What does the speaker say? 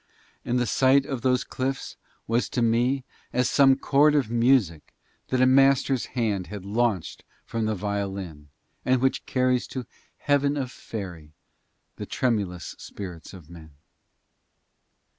And the sight of those cliffs was to me as some chord of music that a master's hand had launched from the violin, and which carries to Heaven of Faëry the tremulous spirits of men.